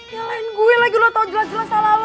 nyalain gue lagi lo tau jelas jelas salah lo